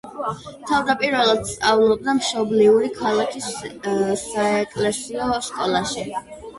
თავდაპირველად სწავლობდა მშობლიური ქალაქის საეკლესიო სკოლაში.